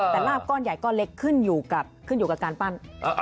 แต่ลาภก้อนใหญ่ก้อนเล็กขึ้นอยู่กัลการปั้น